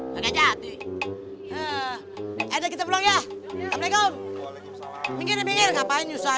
hai ada jadi ada kita belum ya